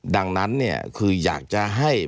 ดังนั้นเนี่ยคืออยากจะให้